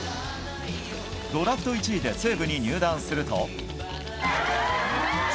ドラフト１位で西武に入団すると。